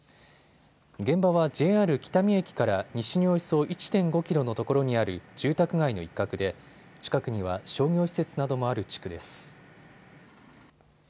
現場はＪＲ北見駅から西におよそ１．５キロのところにある住宅街の一角で近くには商業施設などもある地区です。